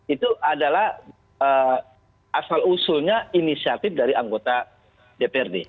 itu adalah asal usulnya inisiatif dari anggota dprd